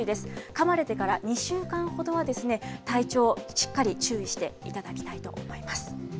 かまれてから２週間ほどは、体調、しっかり注意していただきたいと思います。